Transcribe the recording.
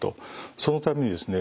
そのためにですね